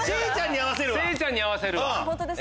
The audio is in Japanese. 聖ちゃんに合わせるわ。